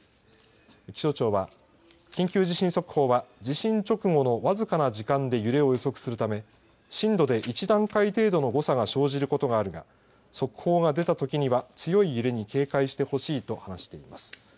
気象庁は緊急地震速報は地震直後のわずかな時間で揺れを予測するため震度で１段階程度の誤差が生じることがあるが速報が出たときには強い揺れに警戒してほしいと話しています。